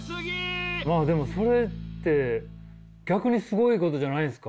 まあでもそれって逆にすごいことじゃないんですか？